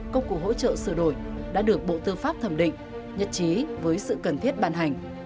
công cụ hỗ trợ sửa đổi đã được bộ tư pháp thẩm định nhật chí với sự cần thiết bàn hành